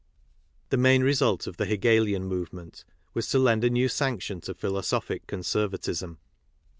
4 KARL MARX The main result of the Hegelian movement was to lend a new sanction to philosophic conservatism.